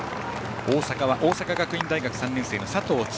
大阪は大阪学院大学３年生の佐藤千紘。